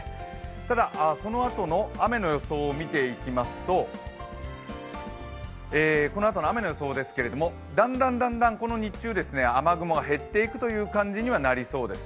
ただ、このあとの雨の予想を見ていきますとだんだんこの日中、雨雲が減っていくという感じにはなりそうです。